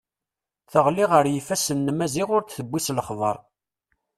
Teɣli ɣer yifassen n Maziɣ ur d-tewwi s lexber.